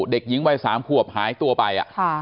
เด็กหญิงวัย๓ขวบหายตัวไป